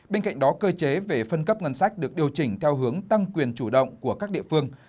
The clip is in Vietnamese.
bên cạnh đó cơ chế về phân cấp ngân sách được điều chỉnh theo hướng tăng quyền chủ động của các địa phương